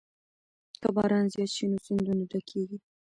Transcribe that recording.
که باران زیات شي نو سیندونه ډکېږي.